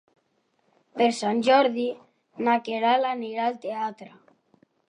Per Sant Jordi na Queralt anirà al teatre.